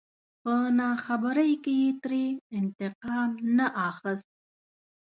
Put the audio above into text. په ناخبرۍ کې يې ترې انتقام نه اخست.